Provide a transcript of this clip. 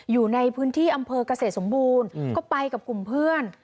อยู่ในพื้นที่อำเภอกเกษตรสมบูรณ์ก็ไปกับกลุ่มเพื่อน